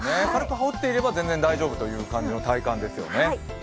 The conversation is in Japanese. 羽織っていれば全然大丈夫という体感ですね。